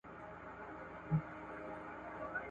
دومره مخته باید ولاړ سې چي نن لیري درښکاریږي `